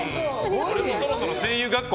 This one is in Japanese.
そろそろ声優学校